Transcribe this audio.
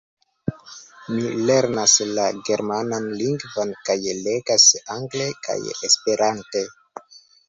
Mi lernas la germanan lingvon kaj legas angle kaj esperante.